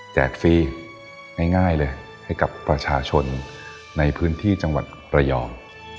ฟรีง่ายเลยให้กับประชาชนในพื้นที่จังหวัดระยอง